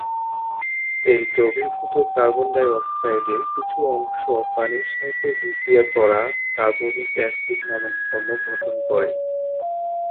এই দ্রবীভূত কার্বন ডাই-অক্সাইডের কিছু অংশ পানির সাথে বিক্রিয়া করা কার্বনিক অ্যাসিড নামক অম্ল গঠন করে।